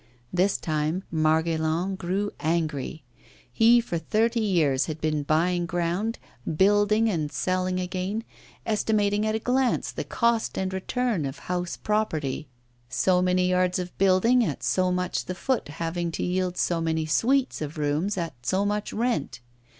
This time Margaillan grew angry; he for thirty years had been buying ground, building and selling again, estimating at a glance the cost and return of house property; so many yards of building at so much the foot having to yield so many suites of rooms at so much rent.